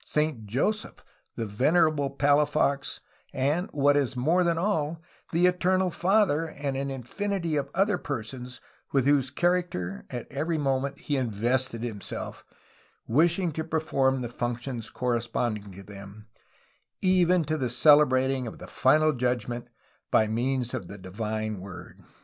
Saint Joseph, the Venerable Palafox, and, what is more than all, the Eternal Father, and an infinity of other persons, with whose character at every moment he invested himself, wishing to perform the functions correspond ing to them, even to celebrating the Final Judgment by means of the Divine Word."